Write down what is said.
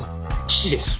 父です。